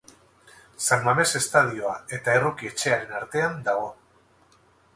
San Mames estadioa eta Erruki etxearen artean dago.